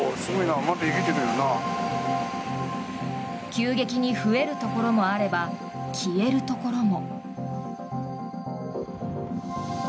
急激に増えるところもあれば消えるところも。